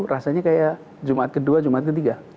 rasanya kayak jumat ke dua jumat ke tiga